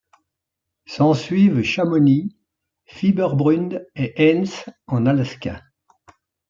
S'en suivent Chamonix, Fieberbrunn et Haines en Alaska.